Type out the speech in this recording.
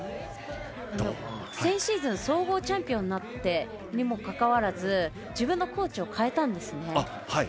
先シーズン総合チャンピオンになったにもかかわらず自分のコーチを変えたんですね。